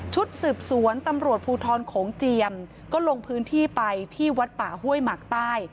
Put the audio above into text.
ชุดสืบสวนตำรวจภูทรโขงเจียมก็ลงพื้นที่ไปที่วัดป่าห้วยหมักใต้